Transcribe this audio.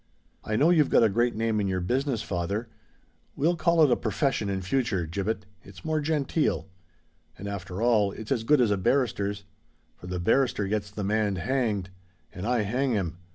"I know you've got a great name in your business, father——" "We'll call it profession in future, Gibbet; it's more genteel. And, after all, it's as good as a barrister's; for the barrister gets the man hanged—and I hang him.